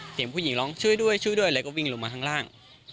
เสียงผู้หญิงร้องช่วยด้วยช่วยด้วยแล้วก็วิ่งลงมาข้างล่าง